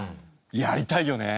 やりたいよね。